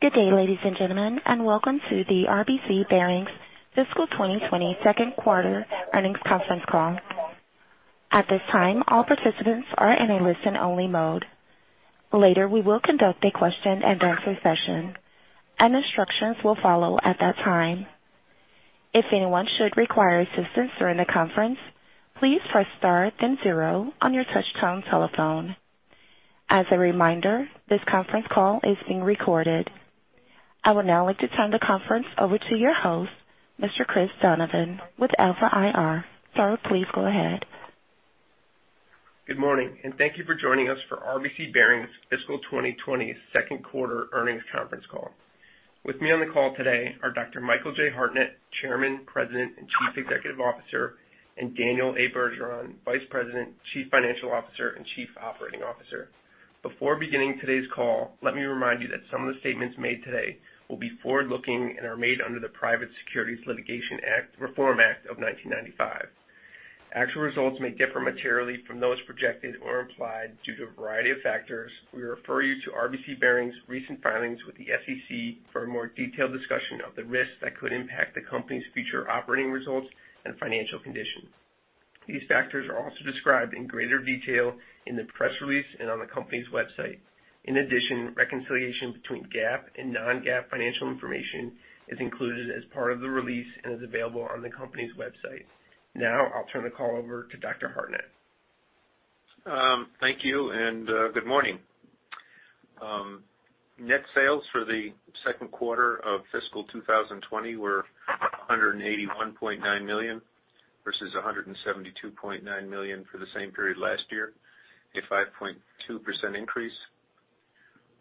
Good day, ladies and gentlemen, and welcome to the RBC Bearings Fiscal 2020 Second Quarter Earnings Conference Call. At this time, all participants are in a listen-only mode. Later, we will conduct a question-and-answer session, and instructions will follow at that time. If anyone should require assistance during the conference, please press star then zero on your touch-tone telephone. As a reminder, this conference call is being recorded. I would now like to turn the conference over to your host, Mr. Chris Donovan, with Alpha IR. Sir, please go ahead. Good morning, and thank you for joining us for RBC Bearings Fiscal 2020 Second Quarter Earnings Conference Call. With me on the call today are Dr. Michael J. Hartnett, Chairman, President, and Chief Executive Officer, and Daniel A. Bergeron, Vice President, Chief Financial Officer, and Chief Operating Officer. Before beginning today's call, let me remind you that some of the statements made today will be forward-looking and are made under the Private Securities Litigation Reform Act of 1995. Actual results may differ materially from those projected or implied due to a variety of factors. We refer you to RBC Bearings' recent filings with the SEC for a more detailed discussion of the risks that could impact the company's future operating results and financial condition. These factors are also described in greater detail in the press release and on the company's website. In addition, reconciliation between GAAP and non-GAAP financial information is included as part of the release and is available on the company's website. Now I'll turn the call over to Dr. Hartnett. Thank you, and good morning. Net sales for the 2nd quarter of fiscal 2020 were $181.9 million versus $172.9 million for the same period last year, a 5.2% increase.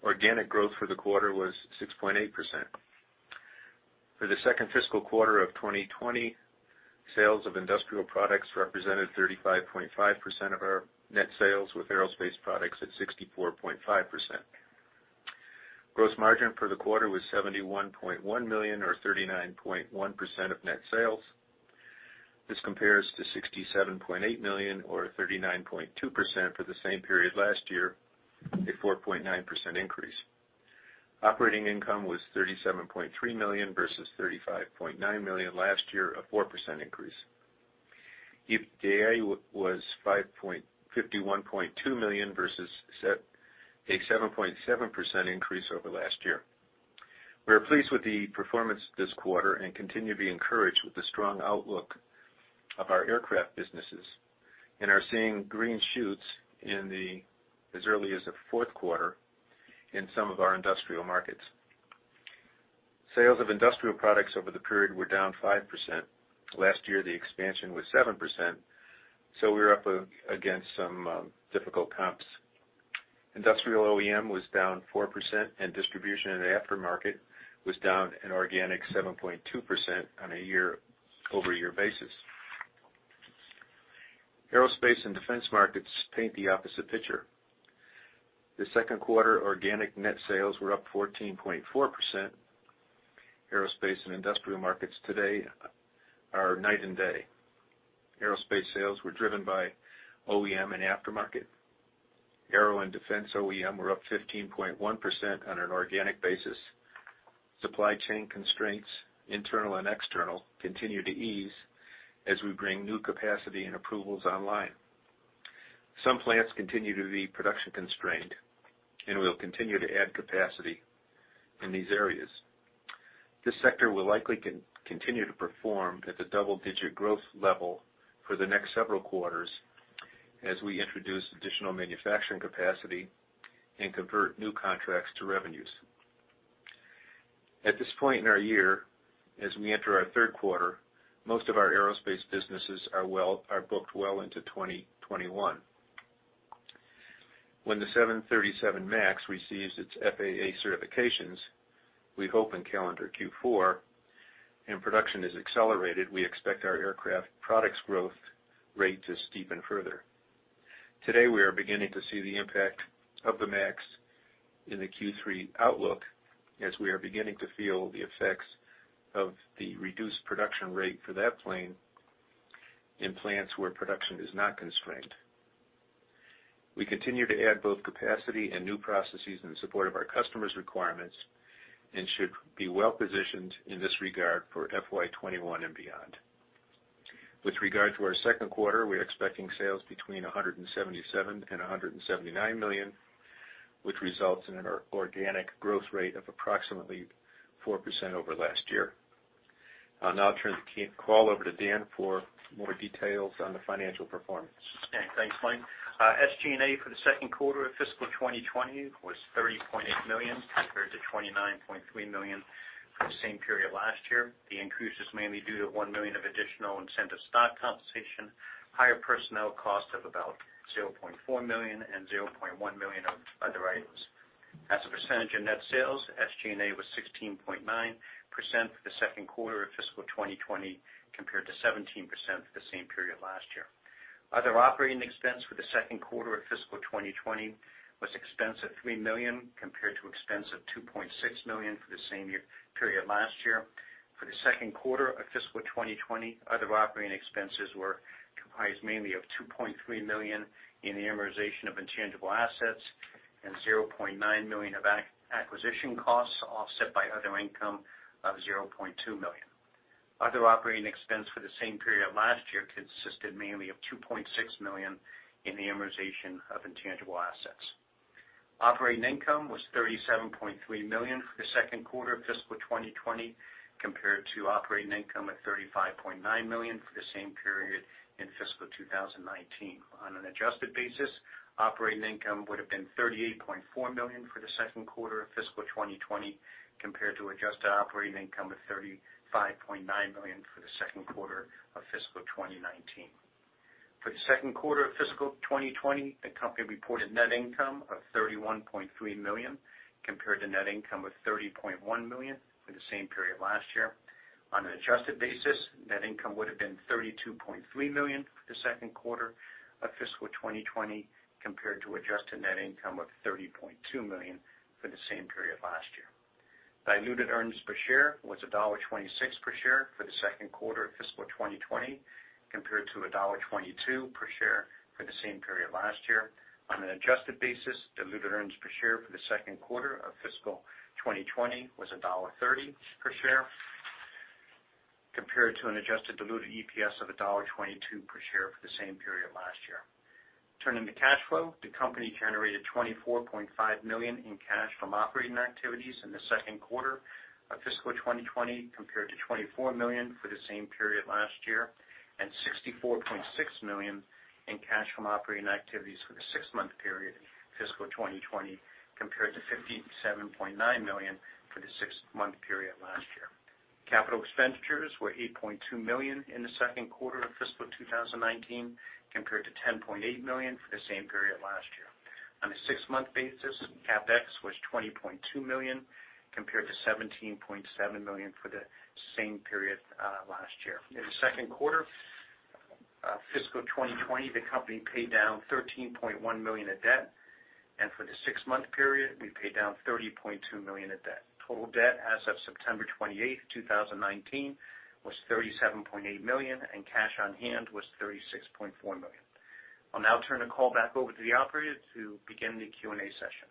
Organic growth for the quarter was 6.8%. For the 2nd fiscal quarter of 2020, sales of industrial products represented 35.5% of our net sales, with aerospace products at 64.5%. Gross margin for the quarter was $71.1 million, or 39.1% of net sales. This compares to $67.8 million, or 39.2%, for the same period last year, a 4.9% increase. Operating income was $37.3 million versus $35.9 million last year, a 4% increase. EBITDA was $551.2 million versus a 7.7% increase over last year. We are pleased with the performance this quarter and continue to be encouraged with the strong outlook of our aircraft businesses and are seeing green shoots as early as the 4th quarter in some of our industrial markets. Sales of industrial products over the period were down 5%. Last year, the expansion was 7%, so we were up against some difficult comps. Industrial OEM was down 4%, and distribution in the aftermarket was down an organic 7.2% on a year-over-year basis. Aerospace and defense markets paint the opposite picture. The 2nd quarter organic net sales were up 14.4%. Aerospace and industrial markets today are night and day. Aerospace sales were driven by OEM and aftermarket. Aero and defense OEM were up 15.1% on an organic basis. Supply chain constraints, internal and external, continue to ease as we bring new capacity and approvals online. Some plants continue to be production-constrained, and we'll continue to add capacity in these areas. This sector will likely continue to perform at the double-digit growth level for the next several quarters as we introduce additional manufacturing capacity and convert new contracts to revenues. At this point in our year, as we enter our 3rd quarter, most of our aerospace businesses are booked well into 2021. When the 737 MAX receives its FAA certifications, we hope in calendar Q4, and production is accelerated, we expect our aircraft products growth rate to steepen further. Today, we are beginning to see the impact of the MAX in the Q3 outlook as we are beginning to feel the effects of the reduced production rate for that plane in plants where production is not constrained. We continue to add both capacity and new processes in support of our customers' requirements and should be well-positioned in this regard for FY 2021 and beyond. With regard to our 2nd quarter, we're expecting sales between $177 million and $179 million, which results in an organic growth rate of approximately 4% over last year. I'll now turn the call over to Dan for more details on the financial performance. Okay. Thanks, Mike. SG&A for the 2nd quarter of fiscal 2020 was $30.8 million compared to $29.3 million for the same period last year. The increase was mainly due to $1 million of additional incentive stock compensation, higher personnel cost of about $0.4 million, and $0.1 million of other items. As a percentage of net sales, SG&A was 16.9% for the 2nd quarter of fiscal 2020 compared to 17% for the same period last year. Other operating expense for the 2nd quarter of fiscal 2020 was expense of $3 million compared to expense of $2.6 million for the same year period last year. For the 2nd quarter of fiscal 2020, other operating expenses were comprised mainly of $2.3 million in the amortization of intangible assets and $0.9 million of acquisition costs offset by other income of $0.2 million. Other operating expense for the same period last year consisted mainly of $2.6 million in the amortization of intangible assets. Operating income was $37.3 million for the 2nd quarter of fiscal 2020 compared to operating income of $35.9 million for the same period in fiscal 2019. On an adjusted basis, operating income would have been $38.4 million for the 2nd quarter of fiscal 2020 compared to adjusted operating income of $35.9 million for the 2nd quarter of fiscal 2019. For the 2nd quarter of fiscal 2020, the company reported net income of $31.3 million compared to net income of $30.1 million for the same period last year. On an adjusted basis, net income would have been $32.3 million for the 2nd quarter of fiscal 2020 compared to adjusted net income of $30.2 million for the same period last year. Diluted earnings per share was $1.26 per share for the 2nd quarter of fiscal 2020 compared to $1.22 per share for the same period last year. On an adjusted basis, diluted earnings per share for the 2nd quarter of fiscal 2020 was about $1.30 per share compared to an adjusted diluted EPS of $1.22 per share for the same period last year. Turning to cash flow, the company generated $24.5 million in cash from operating activities in the 2nd quarter of fiscal 2020 compared to $24 million for the same period last year and $64.6 million in cash from operating activities for the six-month period fiscal 2020 compared to $57.9 million for the six-month period last year. Capital expenditures were $8.2 million in the 2nd quarter of fiscal 2019 compared to $10.8 million for the same period last year. On a six-month basis, CapEx was $20.2 million compared to $17.7 million for the same period, last year. In the 2nd quarter, fiscal 2020, the company paid down $13.1 million of debt, and for the six-month period, we paid down $30.2 million of debt. Total debt as of September 28th, 2019 was $37.8 million, and cash on hand was $36.4 million. I'll now turn the call back over to the operator to begin the Q&A session.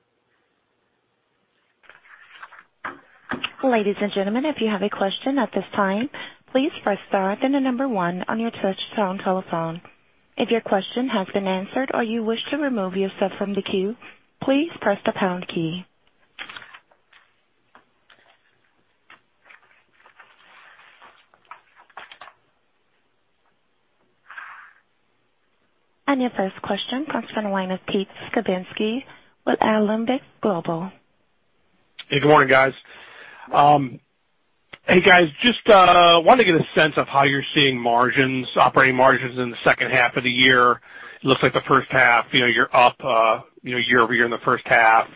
Ladies and gentlemen, if you have a question at this time, please press star then the number one on your touch-tone telephone. If your question has been answered or you wish to remove yourself from the queue, please press the pound key. Your first question comes from the line of Pete Skibitski with Alembic Global. Hey, good morning, guys. Hey, guys, just wanted to get a sense of how you're seeing margins, operating margins in the 2nd half of the year. It looks like the 1st half, you know, you're up, you know, year-over-year in the 1st half.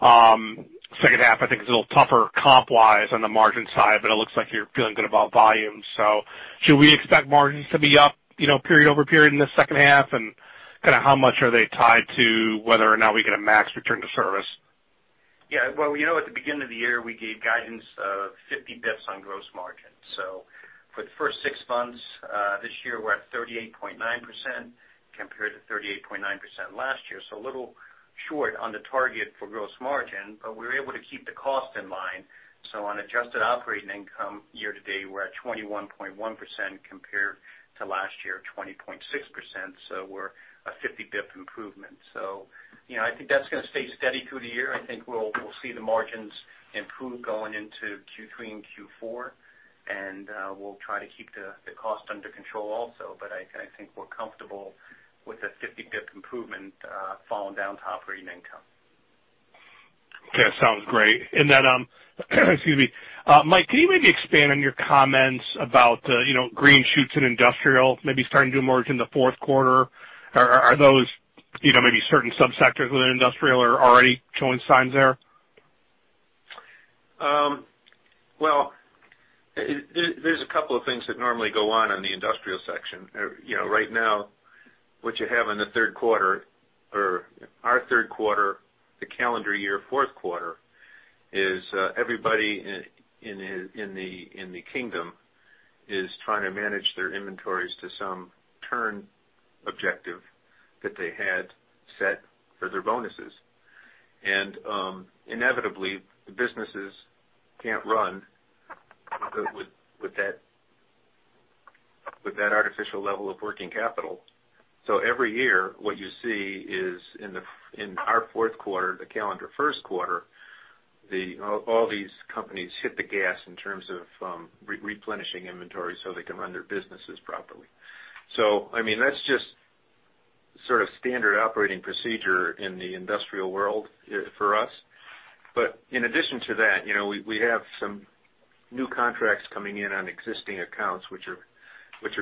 2nd half, I think, is a little tougher comp-wise on the margin side, but it looks like you're feeling good about volumes. So should we expect margins to be up, you know, period over period in the 2nd half, and kinda how much are they tied to whether or not we get a MAX return to service? Yeah. Well, you know, at the beginning of the year, we gave guidance of 50 bips on gross margin. So for the first six months, this year, we're at 38.9% compared to 38.9% last year, so a little short on the target for gross margin. But we were able to keep the cost in line. So on adjusted operating income year-to-date, we're at 21.1% compared to last year, 20.6%. So we're a 50 bips improvement. So, you know, I think that's gonna stay steady through the year. I think we'll, we'll see the margins improve going into Q3 and Q4, and, we'll try to keep the, the cost under control also. But I, I think we're comfortable with a 50 bips improvement, flowing down to operating income. Okay. Sounds great. And then, excuse me. Mike, can you maybe expand on your comments about, you know, green shoots in industrial, maybe starting to emerge in the 4th quarter? Are those, you know, maybe certain subsectors within industrial are already showing signs there? Well, there's a couple of things that normally go on in the industrial sector. You know, right now, what you have in the 3rd quarter or our 3rd quarter, the calendar year 4th quarter, is everybody in the industry is trying to manage their inventories to some turn objective that they had set for their bonuses. And, inevitably, the businesses can't run with that artificial level of working capital. So every year, what you see is in our 4th quarter, the calendar 1st quarter, all these companies hit the gas in terms of replenishing inventory so they can run their businesses properly. So, I mean, that's just sort of standard operating procedure in the industrial world, for us. But in addition to that, you know, we have some new contracts coming in on existing accounts, which are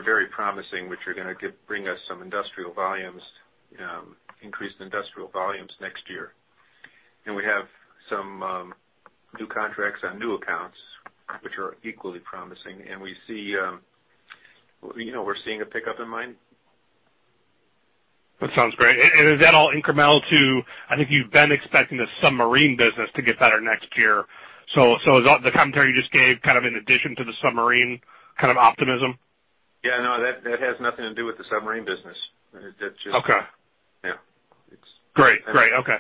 very promising, which are gonna give us some industrial volumes, increased industrial volumes next year. And we have some new contracts on new accounts, which are equally promising. And we see, you know, we're seeing a pickup in mining. That sounds great. And is that all incremental to I think you've been expecting the submarine business to get better next year? So, is all the commentary you just gave kind of in addition to the submarine kind of optimism? Yeah. No, that has nothing to do with the submarine business. It just. Okay. Yeah. It's. Great. Great. Okay.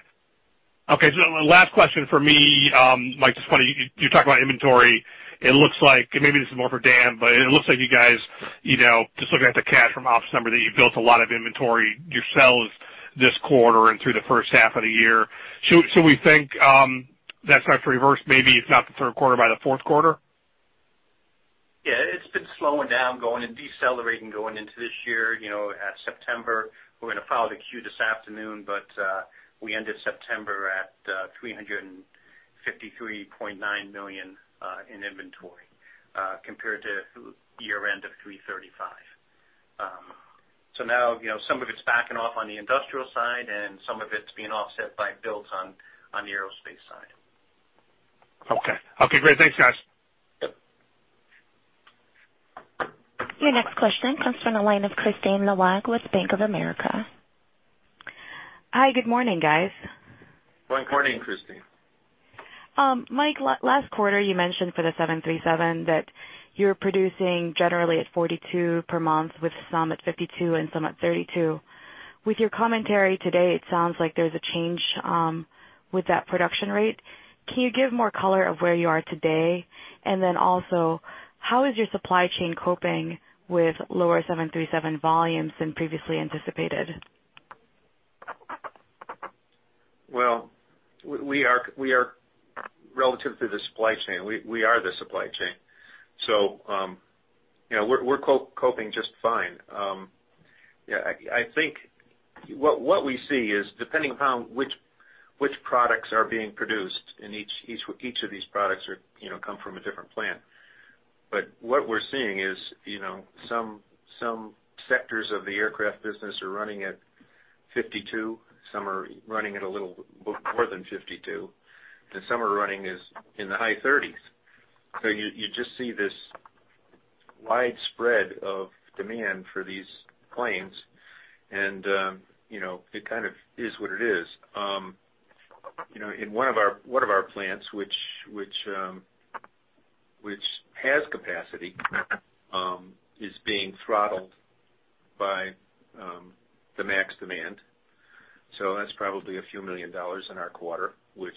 Okay. So the last question for me, Mike, just wanna you talked about inventory. It looks like, and maybe this is more for Dan, but it looks like you guys, you know, just looking at the cash from ops number, that you built a lot of inventory yourselves this quarter and through the 1st half of the year. Should we think that starts to reverse maybe, if not the 3rd quarter, by the 4th quarter? Yeah. It's been slowing down, going and decelerating going into this year. You know, at September, we're gonna file the 10-Q this afternoon, but we ended September at $353.9 million in inventory, compared to year-end of $335 million. So now, you know, some of it's backing off on the industrial side, and some of it's being offset by builds on the aerospace side. Okay. Okay. Great. Thanks, guys. Yep. Your next question comes from the line of Kristine Liwag with Bank of America. Hi. Good morning, guys. Good morning, Kristine. Mike, last quarter, you mentioned for the 737 that you're producing generally at 42 per month with some at 52 and some at 32. With your commentary today, it sounds like there's a change, with that production rate. Can you give more color of where you are today? And then also, how is your supply chain coping with lower 737 volumes than previously anticipated? Well, we are relatively in the supply chain. We are the supply chain. So, you know, we're coping just fine. Yeah. I think what we see is depending upon which products are being produced in each of these products, you know, come from a different plant. But what we're seeing is, you know, some sectors of the aircraft business are running at 52. Some are running at a little bit more than 52. And some are running in the high 30s. So you just see this widespread of demand for these planes. And, you know, it kind of is what it is. You know, in one of our plants, which has capacity, is being throttled by the MAX demand. So that's probably a few million dollars in our quarter, which,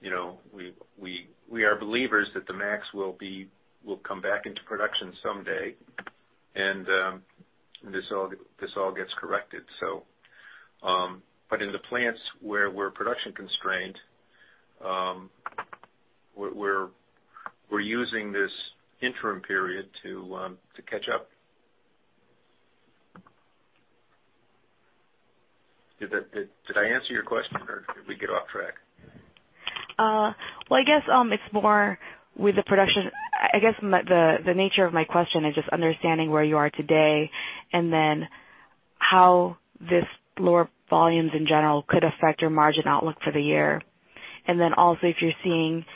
you know, we are believers that the MAX will come back into production someday. And this all gets corrected, so. But in the plants where we're production constrained, we're using this interim period to catch up. Did I answer your question, or did we get off track? Well, I guess it's more with the production. I guess the nature of my question is just understanding where you are today and then how this lower volumes in general could affect your margin outlook for the year. And then also, if you're seeing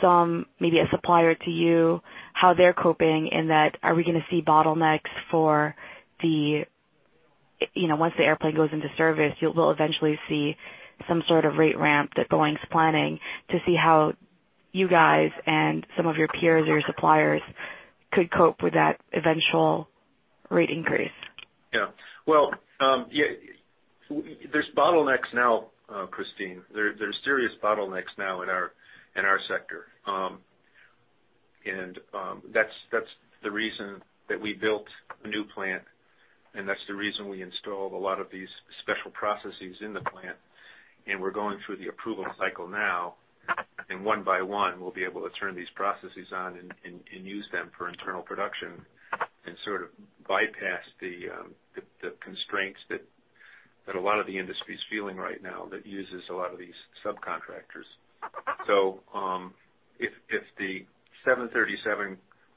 some maybe a supplier to you, how they're coping. In that, are we gonna see bottlenecks for the, you know, once the airplane goes into service, we'll eventually see some sort of rate ramp that Boeing's planning to see how you guys and some of your peers or your suppliers could cope with that eventual rate increase. Yeah. Well, yeah. Well, there's bottlenecks now, Kristine. There, there's serious bottlenecks now in our sector. And that's the reason that we built a new plant, and that's the reason we installed a lot of these special processes in the plant. And we're going through the approval cycle now. And one by one, we'll be able to turn these processes on and use them for internal production and sort of bypass the constraints that a lot of the industry's feeling right now that uses a lot of these subcontractors. So, if the 737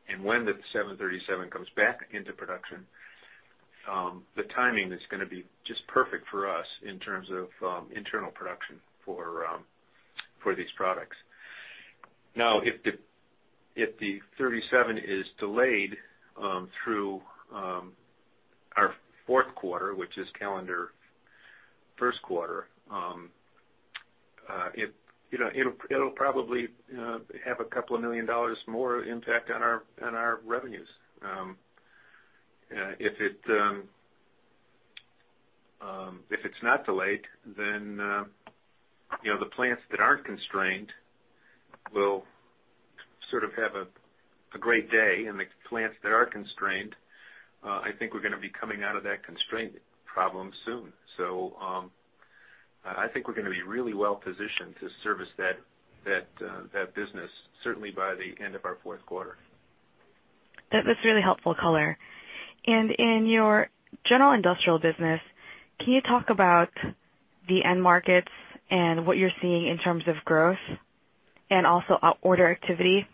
and when the 737 comes back into production, the timing is gonna be just perfect for us in terms of internal production for these products. Now, if the 737 is delayed through our 4th quarter, which is calendar 1st quarter, you know, it'll probably have $2 million more impact on our revenues. If it's not delayed, then, you know, the plants that aren't constrained will sort of have a great day. And the plants that are constrained, I think we're gonna be coming out of that constraint problem soon. So, I think we're gonna be really well positioned to service that business certainly by the end of our 4th quarter. That's really helpful color. In your general industrial business, can you talk about the end markets and what you're seeing in terms of growth and also order activity?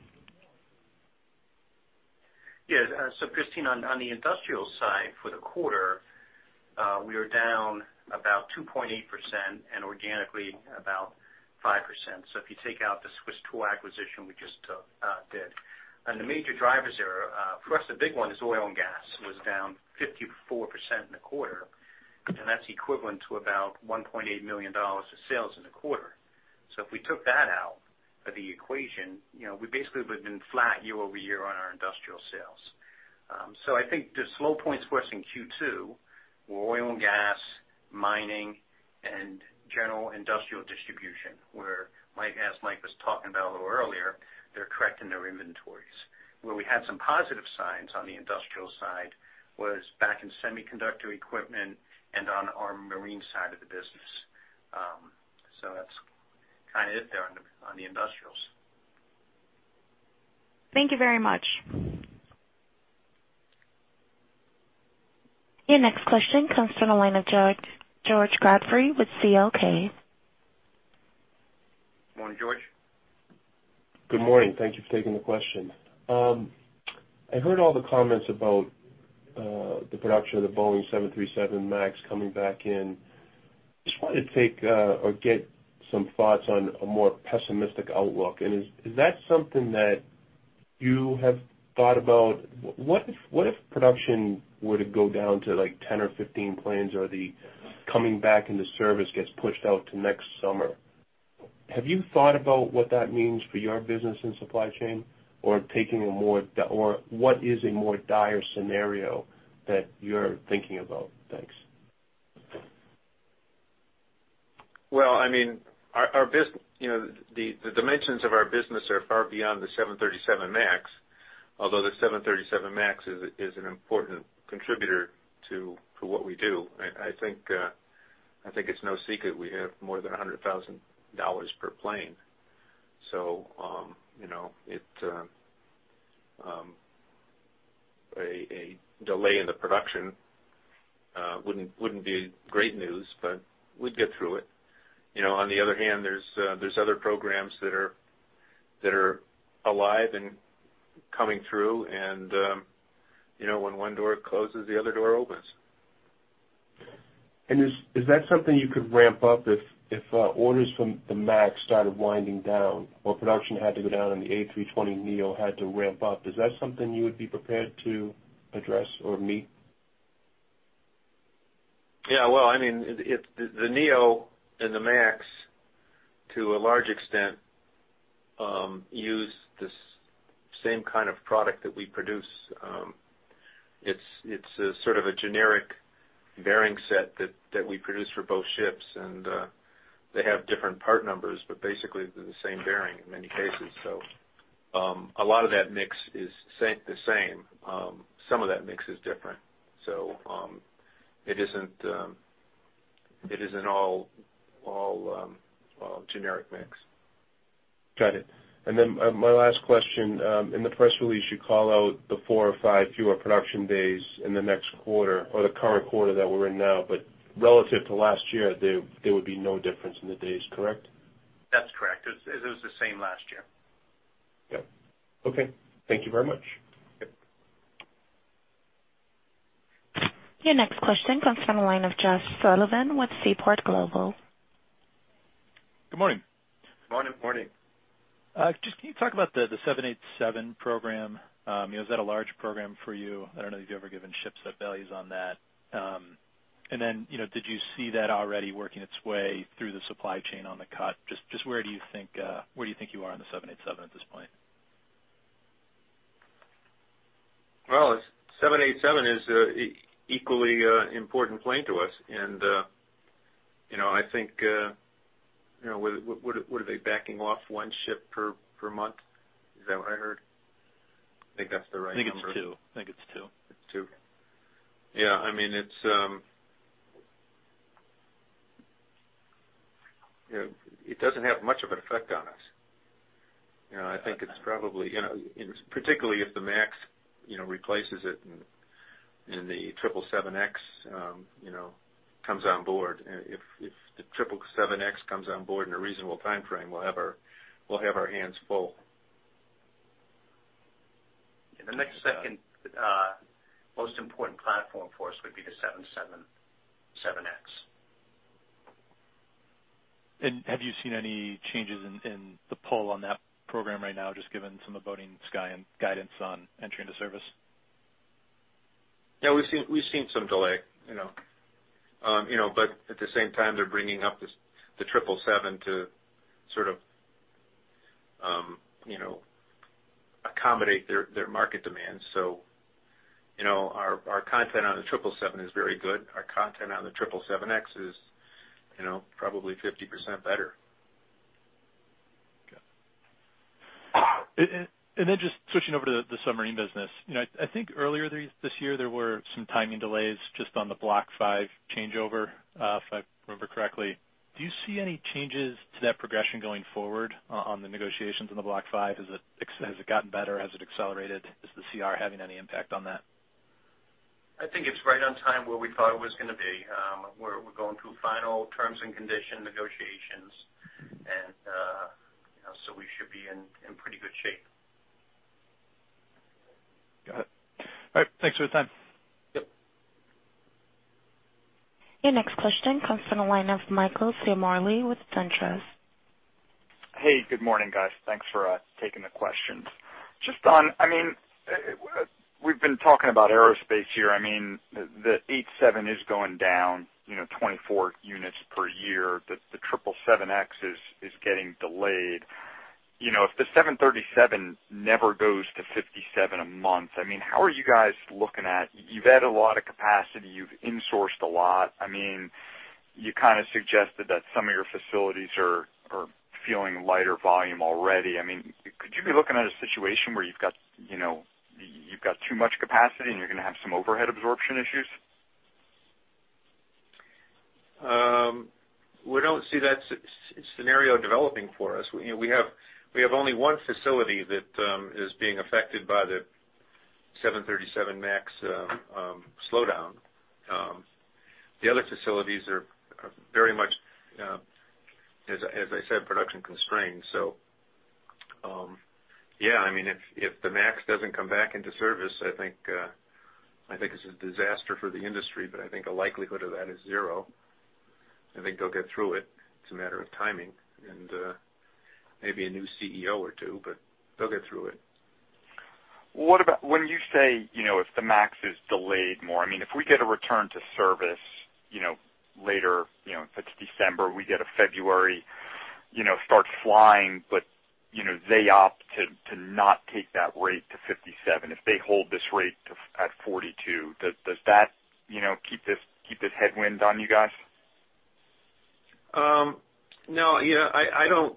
Yeah. So Kristine, on the industrial side for the quarter, we are down about 2.8% and organically about 5%. So if you take out the Swiss Tool acquisition we just did. And the major drivers there, for us, the big one is oil and gas was down 54% in the quarter. And that's equivalent to about $1.8 million of sales in the quarter. So if we took that out of the equation, you know, we basically would've been flat year-over-year on our industrial sales. So I think the slow points for us in Q2 were oil and gas, mining, and general industrial distribution where, like as Mike was talking about a little earlier, they're correcting their inventories. Where we had some positive signs on the industrial side was back in semiconductor equipment and on our marine side of the business. So that's kinda it there on the industrials. Thank you very much. Your next question comes from the line of George Godfrey with C.L. King. Morning, George. Good morning. Thank you for taking the question. I heard all the comments about the production of the Boeing 737 MAX coming back in. Just wanna take, or get some thoughts on a more pessimistic outlook. And is that something that you have thought about? What if, what if production were to go down to, like, 10 or 15 planes or the coming back into service gets pushed out to next summer? Have you thought about what that means for your business and supply chain or taking a more dire or what is a more dire scenario that you're thinking about? Thanks. Well, I mean, our business, you know, the dimensions of our business are far beyond the 737 MAX, although the 737 MAX is an important contributor to what we do. I think it's no secret we have more than $100,000 per plane. So, you know, a delay in the production wouldn't be great news, but we'd get through it. You know, on the other hand, there's other programs that are alive and coming through. You know, when one door closes, the other door opens. Is that something you could ramp up if orders from the MAX started winding down or production had to go down and the A320neo had to ramp up? Is that something you would be prepared to address or meet? Yeah. Well, I mean, it, the Neo and the MAX, to a large extent, use the same kind of product that we produce. It's a sort of a generic bearing set that we produce for both ships. They have different part numbers, but basically the same bearing in many cases. So, a lot of that mix is the same. Some of that mix is different. So, it isn't all generic mix. Got it. And then, my last question, in the press release, you call out the four or five fewer production days in the next quarter or the current quarter that we're in now. But relative to last year, there, there would be no difference in the days, correct? That's correct. It's, it was the same last year. Yep. Okay. Thank you very much. Yep. Your next question comes from the line of Josh Sullivan with Seaport Global. Good morning. Morning. Morning. Just, can you talk about the 787 program? You know, is that a large program for you? I don't know if you've ever given shipset values on that. And then, you know, did you see that already working its way through the supply chain on the cut? Just, just where do you think, where do you think you are on the 787 at this point? Well, it's 787 is an equally important plane to us. And, you know, I think, you know, what are they backing off one ship per month? Is that what I heard? I think that's the right number. I think it's two. I think it's two. It's two. Yeah. I mean, it's, you know, it doesn't have much of an effect on us. You know, I think it's probably, you know, in particular if the MAX, you know, replaces it and, and the 777X, you know, comes on board. If, if the 777X comes on board in a reasonable timeframe, we'll have our hands full. In the next second, most important platform for us would be the 777X. Have you seen any changes in the pull on that program right now just given some of Boeing's guide and guidance on entering into service? Yeah. We've seen some delay, you know, but at the same time, they're bringing up this, the 777 to sort of, you know, accommodate their market demands. So, you know, our content on the 777 is very good. Our content on the 777X is, you know, probably 50% better. Got it. And then just switching over to the submarine business. You know, I think earlier this year there were some timing delays just on the Block V changeover, if I remember correctly. Do you see any changes to that progression going forward on the negotiations on the Block V? Has it gotten better? Has it accelerated? Is the CR having any impact on that? I think it's right on time where we thought it was gonna be. We're going through final terms and conditions negotiations. You know, so we should be in pretty good shape. Got it. All right. Thanks for your time. Yep. Your next question comes from the line of Michael Ciarmoli with SunTrust. Hey. Good morning, guys. Thanks for taking the questions. Just on, I mean, we've been talking about aerospace here. I mean, the 787 is going down, you know, 24 units per year. The 777X is getting delayed. You know, if the 737 never goes to 57 a month, I mean, how are you guys looking at? You've added a lot of capacity. You've insourced a lot. I mean, you kinda suggested that some of your facilities are feeling lighter volume already. I mean, could you be looking at a situation where you've got, you know, you've got too much capacity, and you're gonna have some overhead absorption issues? We don't see that scenario developing for us. We, you know, have only one facility that is being affected by the 737 MAX slowdown. The other facilities are very much, as I said, production constrained. So, yeah. I mean, if the MAX doesn't come back into service, I think it's a disaster for the industry. But I think the likelihood of that is zero. I think they'll get through it. It's a matter of timing and maybe a new CEO or two. But they'll get through it. What about when you say, you know, if the MAX is delayed more? I mean, if we get a return to service, you know, later, you know, if it's December, we get a February, you know, starts flying, but, you know, they opt to not take that rate to 57. If they hold this rate at 42, does that, you know, keep this headwind on you guys? No. You know,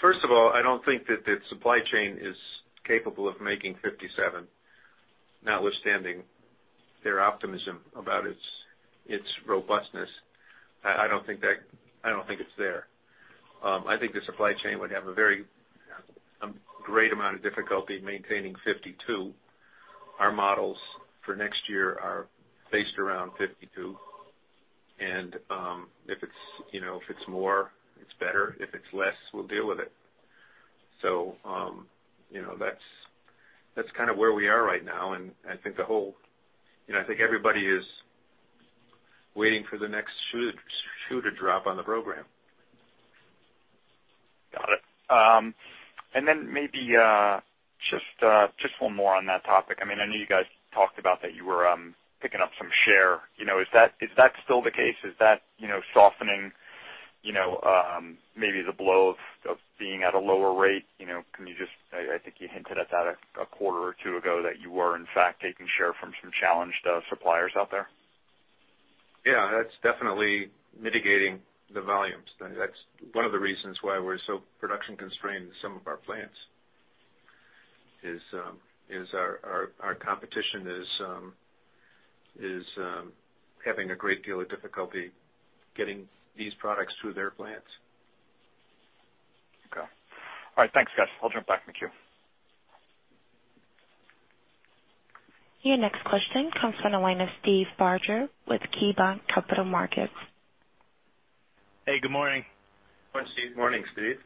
first of all, I don't think that the supply chain is capable of making 57, notwithstanding their optimism about its robustness. I don't think it's there. I think the supply chain would have a very great amount of difficulty maintaining 52. Our models for next year are based around 52. And if it's more, you know, it's better. If it's less, we'll deal with it. So, you know, that's kinda where we are right now. And I think the whole, you know, I think everybody is waiting for the next schedule drop on the program. Got it. Then maybe, just, just one more on that topic. I mean, I know you guys talked about that you were picking up some share. You know, is that is that still the case? Is that, you know, softening, you know, maybe the blow of being at a lower rate? You know, can you just, I think you hinted at that a quarter or two ago that you were, in fact, taking share from some challenged suppliers out there? Yeah. That's definitely mitigating the volumes. That's one of the reasons why we're so production constrained in some of our plants is our competition is having a great deal of difficulty getting these products to their plants. Okay. All right. Thanks, guys. I'll jump back in the queue. Your next question comes from the line of Steve Barger with KeyBanc Capital Markets. Hey. Good morning. Morning, Steve. Morning, Steve.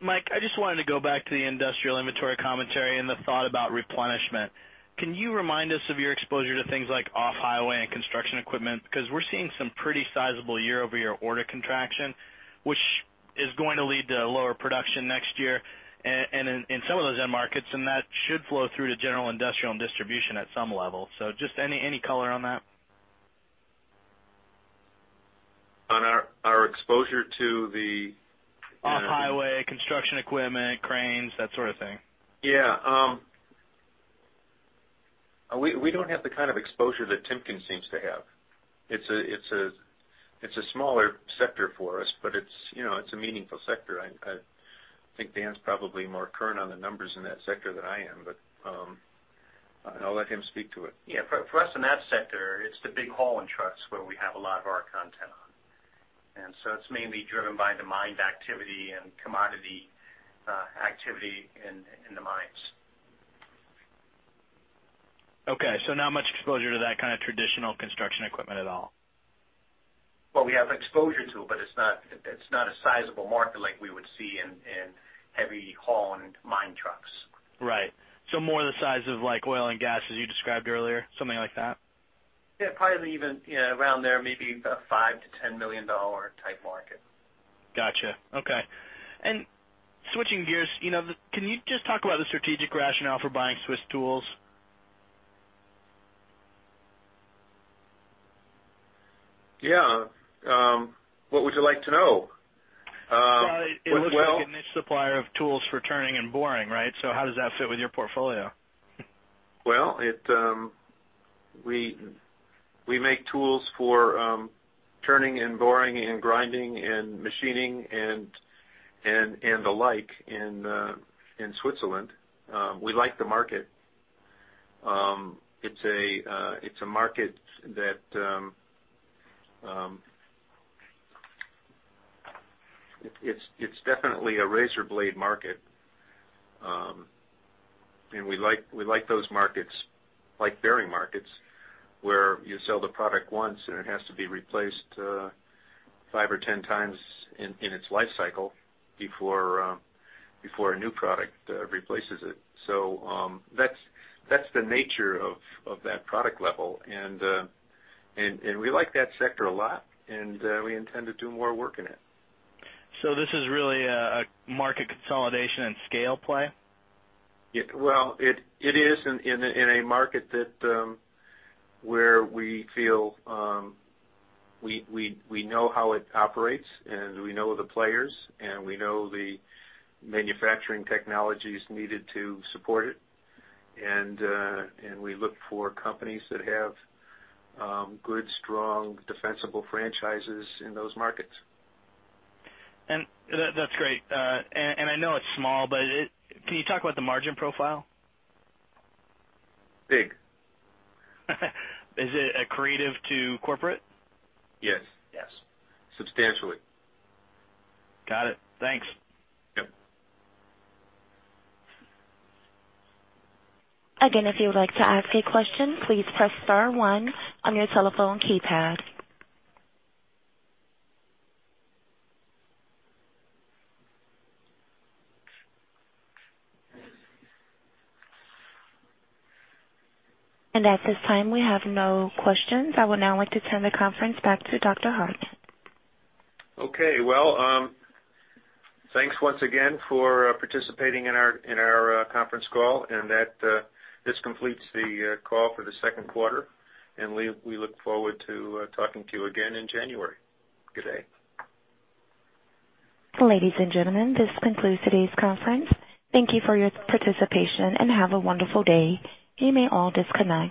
Mike, I just wanted to go back to the industrial inventory commentary and the thought about replenishment. Can you remind us of your exposure to things like off-highway and construction equipment? 'Cause we're seeing some pretty sizable year-over-year order contraction, which is going to lead to lower production next year and in some of those end markets. That should flow through to general industrial and distribution at some level. Just any color on that? On our exposure to the.. Off-highway, construction equipment, cranes, that sort of thing. Yeah. We don't have the kind of exposure that Timken seems to have. It's a smaller sector for us. But it's, you know, a meaningful sector. I think Dan's probably more current on the numbers in that sector than I am. But I'll let him speak to it. Yeah. For us in that sector, it's the big hauling trucks where we have a lot of our content on. And so it's mainly driven by the mining activity and commodity activity in the mines. Okay. So not much exposure to that kinda traditional construction equipment at all? Well, we have exposure to it, but it's not a sizable market like we would see in heavy hauling mine trucks. Right. So more the size of, like, oil and gas as you described earlier? Something like that? Yeah. Probably even, you know, around there, maybe a $5 million-$10 million type market. Gotcha. Okay. Switching gears, you know, can you just talk about the strategic rationale for buying Swiss Tool? Yeah. What would you like to know? What's well? Well, it looks like a niche supplier of tools for turning and boring, right? So how does that fit with your portfolio? Well, we make tools for turning and boring and grinding and machining and the like in Switzerland. We like the market. It's a market that is definitely a razor blade market. And we like those markets like bearing markets where you sell the product once, and it has to be replaced 5X or 10x in its life cycle before a new product replaces it. So, that's the nature of that product level. And we like that sector a lot. And we intend to do more work in it. So this is really a market consolidation and scale play? Yeah. Well, it is in a market that, where we feel we know how it operates, and we know the players, and we know the manufacturing technologies needed to support it. And we look for companies that have good, strong, defensible franchises in those markets. That's great. I know it's small, but can you talk about the margin profile? Big. Is it accretive to corporate? Yes. Yes. Substantially. Got it. Thanks. Yep. Again, if you would like to ask a question, please press star one on your telephone keypad. At this time, we have no questions. I would now like to turn the conference back to Dr. Hartnett. Okay. Well, thanks once again for participating in our conference call. This completes the call for the 2nd quarter. We look forward to talking to you again in January. Good day. Ladies and gentlemen, this concludes today's conference. Thank you for your participation, and have a wonderful day. You may all disconnect.